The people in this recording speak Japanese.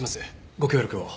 ご協力を。